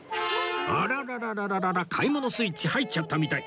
あらららら買い物スイッチ入っちゃったみたい